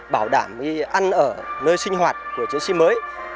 bảo đảm ăn ở nơi sinh hoạt của chiến sĩ mới